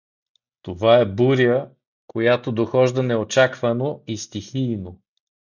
Това е буря, която дохожда неочаквано и стихийно.